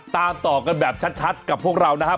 ตามต่อกันแบบชัดกับพวกเรานะครับ